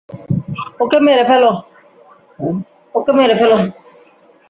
ওকে মেরে ফেল!